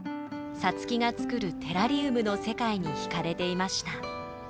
皐月が作るテラリウムの世界に惹かれていました。